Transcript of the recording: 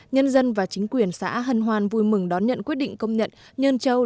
nhân dân và chính quyền xã hân hoan vui mừng đón nhận quyết định công nhận nhân châu